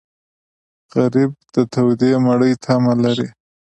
غریب د تودې مړۍ تمه لري